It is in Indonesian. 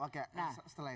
oke setelah ini